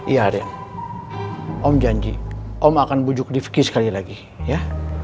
iya rian om janji om akan bujuk difki sekali lagi ya